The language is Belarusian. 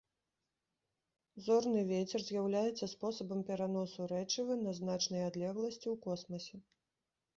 Зорны вецер з'яўляецца спосабам пераносу рэчывы на значныя адлегласці ў космасе.